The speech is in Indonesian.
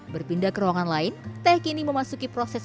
berpindah ke ruangan lain teh kini memasuki proses